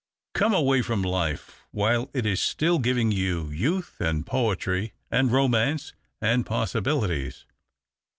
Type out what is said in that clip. Come away from life while it is still giving you youth, and poetry, and romance, and possibilities.